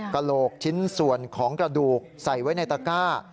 กระโหลกชิ้นส่วนของกระดูกใส่ไว้ในตะก้า